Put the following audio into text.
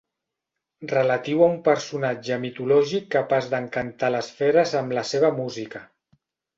Relatiu a un personatge mitològic capaç d'encantar les feres amb la seva música.